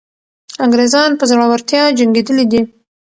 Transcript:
انګریزان په زړورتیا جنګېدلي دي.